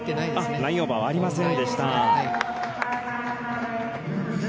ラインオーバーありませんでした。